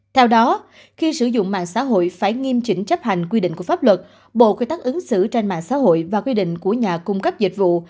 theo đó khi sử dụng mạng xã hội phải nghiêm chỉnh chấp hành quy định của pháp luật bộ quy tắc ứng xử trên mạng xã hội và quy định của nhà cung cấp dịch vụ